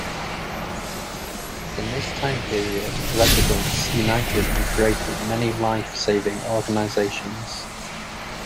In this time period residents united and created many life-saving organizations.